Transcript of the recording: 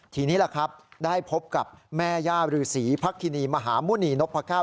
ทีนี้ล่ะครับได้พบกับแม่ย่ารือศรีพระคินีมหาหมุณีนพก้าว